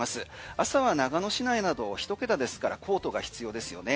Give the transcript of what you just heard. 朝は長野市内など１桁ですからコートが必要ですよね。